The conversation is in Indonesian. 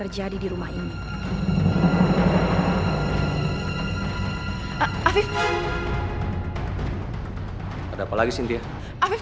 kasian ya bella viv